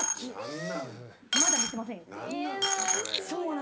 まだ見せませんよ。